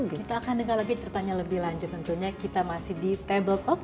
kita akan dengar lagi ceritanya lebih lanjut tentunya kita masih di table talk